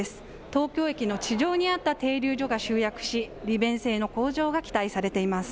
東京駅の地上にあった停留所が集約し利便性の向上が期待されています。